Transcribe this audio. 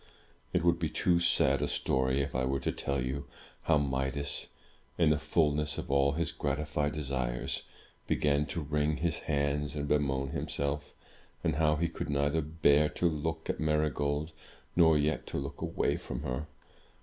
It would be too sad a story, if I were to tell you how Midas, in the fulness of all his gratified desires, began to wring his hands and bemoan himself; and how he could neither bear to look at Marygold, nor yet to look away from her.